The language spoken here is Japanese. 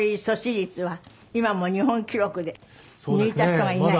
率は今も日本記録で抜いた人がいない。